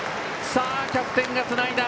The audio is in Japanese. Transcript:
さあキャプテンがつないだ。